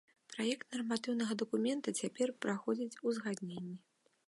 Праект нарматыўнага дакумента цяпер праходзіць узгадненні.